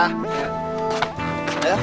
terima kasih ya pak